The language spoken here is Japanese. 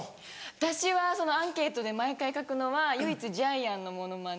私はアンケートで毎回書くのは唯一ジャイアンのモノマネ。